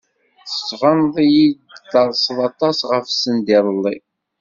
Tettbaneḍ-iyi-d terseḍ aṭas ɣef send iḍelli.